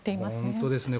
本当ですね。